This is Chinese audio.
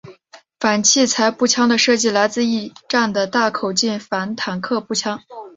反器材步枪的设计来自一战的大口径反坦克步枪。